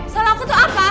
salah aku tuh apa